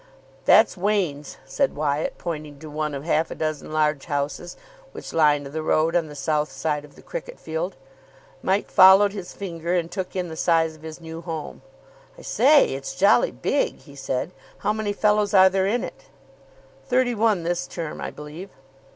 "That's Wain's," said Wyatt, pointing to one of half a dozen large houses which lined the road on the south side of the cricket field. Mike followed his finger, and took in the size of his new home. "I say, it's jolly big," he said. "How many fellows are there in it?" "Thirty one this term, I believe."